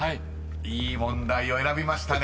いい問題を選びましたね］